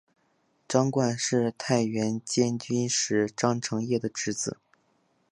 张瓘是太原监军使张承业的侄子。